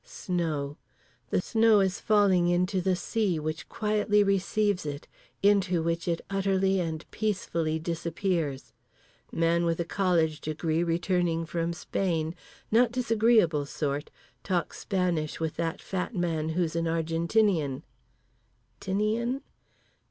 Snow. The snow is falling into the sea; which quietly receives it: into which it utterly and peacefully disappears. Man with a college degree returning from Spain, not disagreeable sort, talks Spanish with that fat man who's an Argentinian.—Tinian?